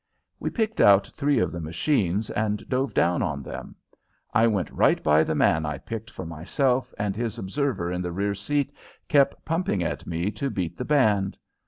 We picked out three of the machines and dove down on them. I went right by the man I picked for myself and his observer in the rear seat kept pumping at me to beat the band.